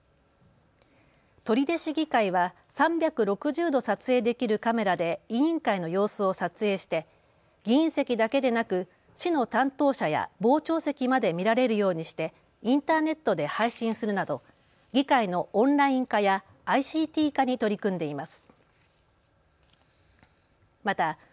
取手市議会は３６０度撮影できるカメラで委員会の様子を撮影して議員席だけでなく市の担当者や傍聴席まで見られるようにしてインターネットで配信するなど議会のオンライン化やＩＣＴ化に取り組んでいます。